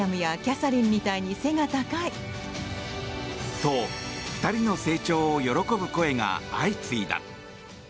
と、２人の成長を喜ぶ声が相次いだ。